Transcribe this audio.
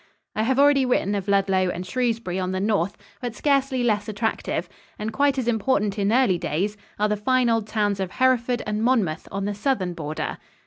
I have already written of Ludlow and Shrewsbury on the north, but scarcely less attractive and quite as important in early days are the fine old towns of Hereford and Monmouth on the southern border.